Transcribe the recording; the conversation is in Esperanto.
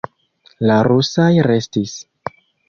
La rusaj restis.